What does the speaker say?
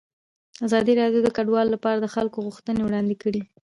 ازادي راډیو د کډوال لپاره د خلکو غوښتنې وړاندې کړي.